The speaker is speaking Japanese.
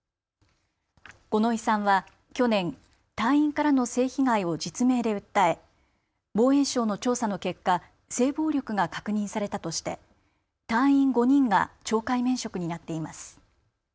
五ノ井さんは去年、隊員からの性被害を実名で訴え防衛省の調査の結果、性暴力が確認されたとして隊員５人が懲戒免職になっています。